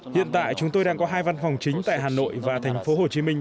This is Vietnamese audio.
hiện tại chúng tôi đang có hai văn phòng chính tại hà nội và thành phố hồ chí minh